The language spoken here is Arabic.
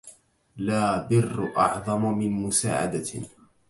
لا بر أعظم من مساعدة